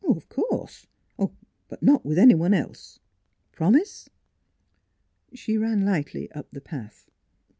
" Of course. But not with any one else. ... Promise !" She ran lightly up the path.